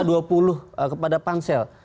dua puluh kepada pansel